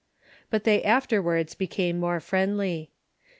But they afterwards became ■ more friendly.